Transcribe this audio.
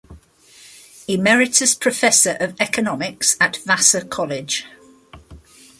Emeritus Professor of Economics at Vassar College.